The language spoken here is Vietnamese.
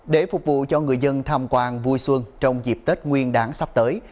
để phục vụ cho người dân tham quan vui xuân trong dịp tết nguyên đáng sắp tới